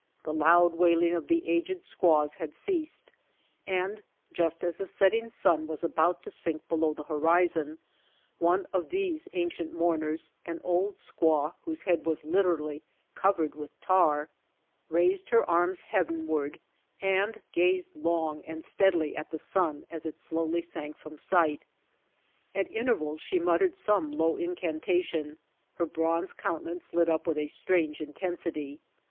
The loud wailing of the aged squaws had ceased and just as the setting sun was about to sink below the horizon, one of these ancient mourners, an old squaw whose head was literally covered with tar, raised her arms heavenward and gazed long and steadily at the sun as it slowly sank from sight. At intervals < she muttered some low incantation, her bronze countenance lit up with a strange intensity.